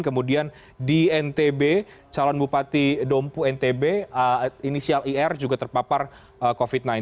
kemudian di ntb calon bupati dompu ntb inisial ir juga terpapar covid sembilan belas